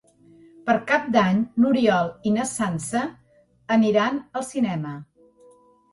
Per Cap d'Any n'Oriol i na Sança aniran al cinema.